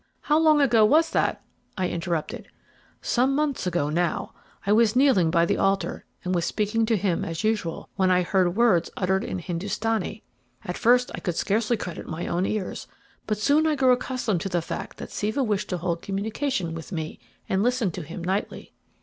"How long ago was that?" I interrupted. "Some months ago now. I was kneeling by the altar, and was speaking to him as usual, when I heard words uttered in Hindustanee. At first I could scarcely credit my own ears, but soon I grew accustomed to the fact that Siva wished to hold communication with me, and listened to him nightly.